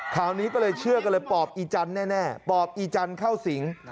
คราวนี้ก็เลยเชื่อกันเลยปอบอีจันทร์แน่ปอบอีจันทร์เข้าสิง